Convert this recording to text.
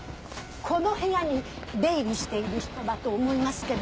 この部屋に出入りしている人だと思いますけど。